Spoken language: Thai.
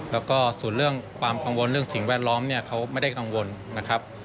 แล้วก็ส่วนเรื่องความกังวลเรื่องสิ่งแวดล้อมเนี่ยเขาไม่ได้กังวลนะครับ